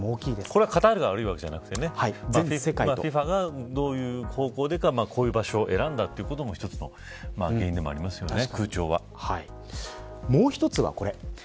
これはカタールが悪いわけじゃなくてねＦＩＦＡがどういう方向でこういう場所を選んだことも一つの原因でもありますよね